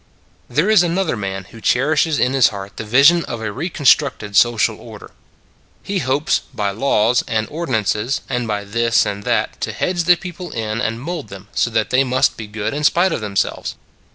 There is another man who cherishes in his heart the vision of a reconstructed social order. He hopes by laws and ordinances, and by this and that, to hedge the people in and "In a Manger" 101 mold them so that they must be good in spite of themselves.